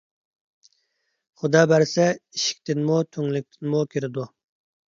خۇدا بەرسە ئىشىكتىنمۇ، تۈڭلۈكتىنمۇ كىرىدۇ